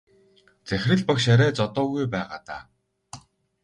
Захирал багш арай зодоогүй байгаа даа.